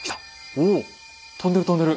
おお飛んでる飛んでる。